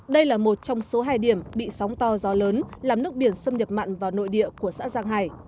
đây là một trong số hai điểm bị sóng to gió lớn làm nước biển xâm nhập mặn vào nội địa của xã giang hải